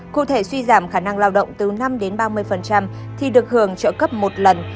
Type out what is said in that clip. cụ thể suy giảm khả năng lao động từ năm đến ba mươi thì được hưởng trợ cấp một lần